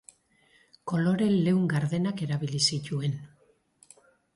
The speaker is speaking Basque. Kolore leun gardenak erabili zituen.